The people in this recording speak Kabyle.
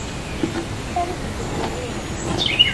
Aru-t deg uzmam-nnem.